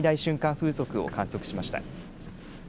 風速を観測しました。